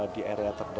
di area terbesar